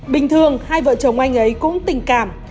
bình thường hai vợ chồng anh ấy cũng tình cảm